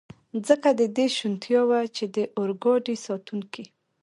ځکه د دې شونتیا وه، چې د اورګاډي ساتونکي.